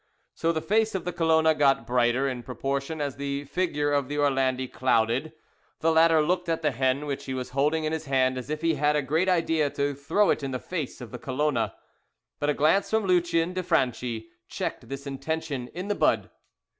So the face of the Colona got brighter in proportion as the figure of the Orlandi clouded; the latter looked at the hen which he was holding in his hand as if he had a great idea to throw it in the face of the Colona. But a glance from Lucien de Franchi checked this intention in the bud.